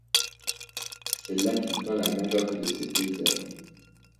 C'est là qu'il peint la majorité de ses paysages.